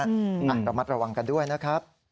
ระมัดระวังกันด้วยนะครับ